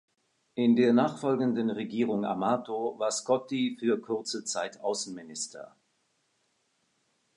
In der nachfolgenden Regierung Amato war Scotti für kurze Zeit Außenminister.